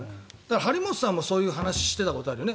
張本さんもそういう話をしていたことあるよね。